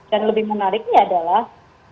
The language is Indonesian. dan lebih menariknya adalah